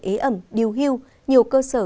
ế ẩm điêu hưu nhiều cơ sở